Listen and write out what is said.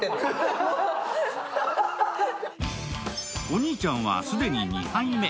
お兄ちゃんは、既に２杯目。